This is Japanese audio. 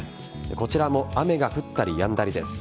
こちらも雨が降ったりやんだりです。